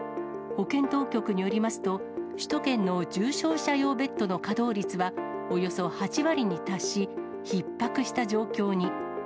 保健当局によりますと、首都圏の重症者用ベッドの稼働率は、およそ８割に達し、ひっ迫した状況に。